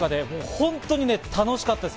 超豪華で本当に楽しかったです。